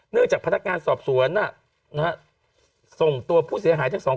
เนื่องจากพนักงานสอบสวนเนี่ยนะฮะส่งตัวผู้เสียหายทั้ง๒